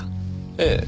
ええ。